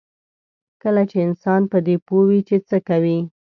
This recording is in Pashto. کله چې انسان په دې پوه وي چې څه کوي.